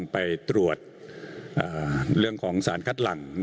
ไปตรวจเรื่องของสารคัดหลัง